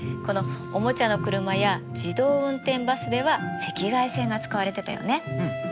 このおもちゃの車や自動運転バスでは赤外線が使われてたよね。